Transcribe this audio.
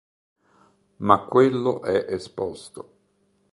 Ma quello è esposto.